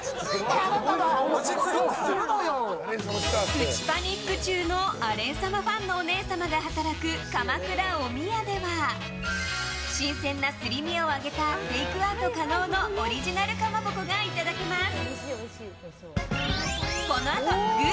プチパニック中のアレン様ファンのお姉様が働くカマクラおみやでは新鮮なすり身を揚げたテイクアウト可能のオリジナルかまぼこがいただけます。